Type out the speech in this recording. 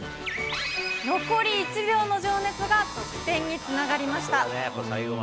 残り１秒の情熱が得点につながりました。